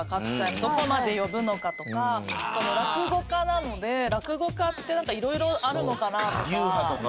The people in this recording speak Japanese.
どこまで呼ぶのかとかその落語家なので落語家ってなんかいろいろあるのかなとか。